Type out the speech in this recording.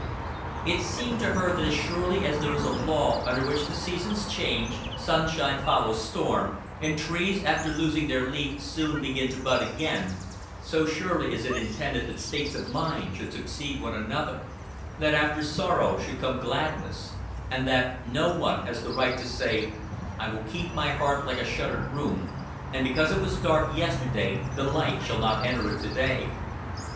It seemed to her that as surely as there is a law under which the seasons change, sunshine follows storm, and trees after losing their leaf soon begin to bud again, so surely is it intended that states of mind should succeed one another, that after sorrow should come gladness, and that no one has the right to say "I will keep my heart like a shuttered room, and because it was dark yesterday the light shall not enter it to day."